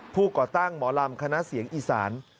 ก่อตั้งหมอลำคณะเสียงอีสาน